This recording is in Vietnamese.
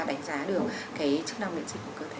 đánh giá được cái chức năng miễn dịch của cơ thể